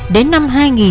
đến năm hai nghìn